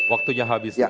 waktunya habis bapak